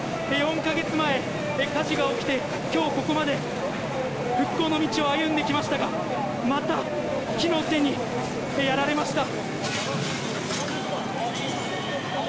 ４か月前、火事が起きて今日ここまで復興の道を歩んできましたがまた火の手にやられました。